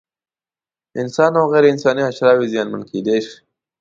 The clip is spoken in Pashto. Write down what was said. انسان او غیر انساني حشراوې زیانمن کېدای شي.